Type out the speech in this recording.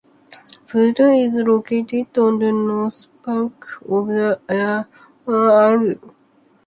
Biberstein is located on the north bank of the Aar River near Aarau.